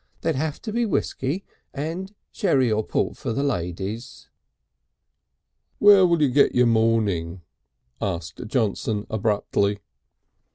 There'd have to be whiskey and sherry or port for the ladies...." "Where'll you get your mourning?" asked Johnson abruptly. Mr.